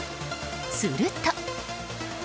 すると。